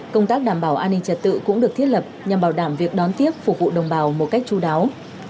công tác đảm bảo an ninh trật tự cũng được thiết lập nhằm bảo đảm việc đón tiếp phục vụ đồng bào một cách chú đáo